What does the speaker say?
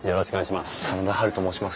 真田ハルと申します。